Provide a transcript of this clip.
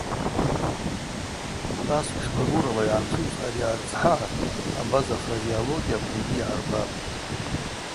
Асквшква рурала йгӏаншуз ари арыцхӏагӏа абаза фразеология апынгьи йгӏарбапӏ.